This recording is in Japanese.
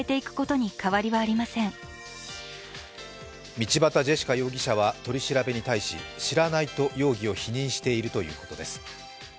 道端ジェシカ容疑者は取り調べに対し知らないと容疑を否認しているということです。